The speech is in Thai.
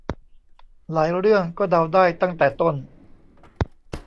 หลายเรื่องก็เดาได้ตั้งแต่ต้น